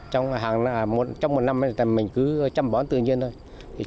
trong một năm mình cứ chăm bón tự nhiên thôi